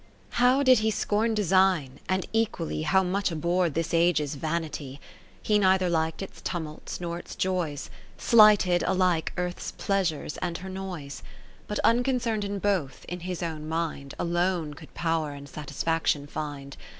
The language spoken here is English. How did he scorn design, and equally How much abhorr'dthis age's vanity ! He neither lik'd its tumults, nor its joys, Slighted alike Earth's pleasures, and her noise. 40 But unconcern'd in both, in his own mind Alone could power and satisfaction find.